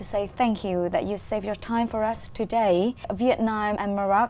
sau khi tốt nghiệp cử nhân học viện báo chí maroc